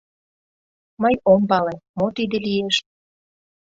— Мый ом пале... мо тиде лиеш?..